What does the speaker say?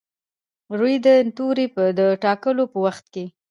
روي د توري د ټاکلو په وخت کې.